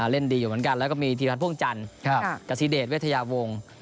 เล่นดีอยู่เหมือนกันแล้วก็มีธีรพัฒน์พ่วงจันทร์กธิเดชเวทยาวงศ์